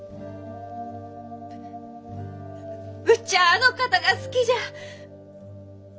うっちゃああの方が好きじゃ！